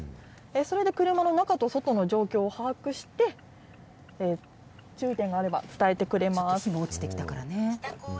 それで車の中と外の状況を把握して、注意点があれば伝えてくれます。